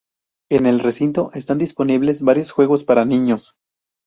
En el recinto están disponibles varios juegos para niños.